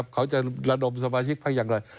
เขาจะระดมสมาชิกพักอย่างไร